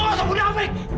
lo gak usah bunafik